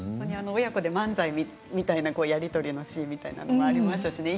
親子で漫才みたいなやり取りのシーンみたいなものもありましたしね。